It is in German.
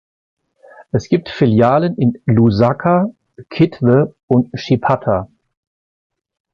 Es gibt Filialen in Lusaka, Kitwe und Chipata.